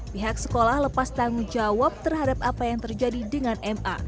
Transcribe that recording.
pihak sekolah lepas tanggung jawab terhadap apa yang terjadi dengan ma